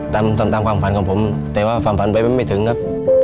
ตามตามความฝันของผมแต่ว่าความฝันไปไม่ถึงครับ